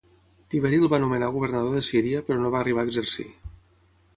Tiberi el va nomenar governador de Síria però no va arribar a exercir.